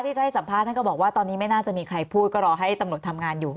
ที่จะให้สัมภาษณ์ท่านก็บอกว่าตอนนี้ไม่น่าจะมีใครพูดก็รอให้ตำรวจทำงานอยู่